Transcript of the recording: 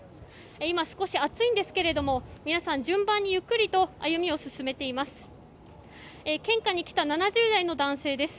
今、少し暑いんですけども皆さん順番にゆっくりと歩みを進めています。